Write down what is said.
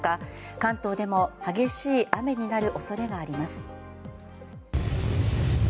関東でも激しい雨になる恐れがあります。